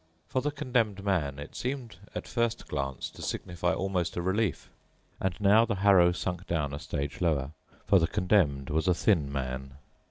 For the Condemned Man it seemed at first glance to signify almost a relief. And now the harrow sunk down a stage lower, for the Condemned was a thin man.